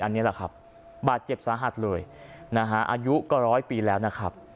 อันนี้แหละครับบาดเจ็บสาหัสเลยนะฮะอายุก็ร้อยปีแล้วนะครับ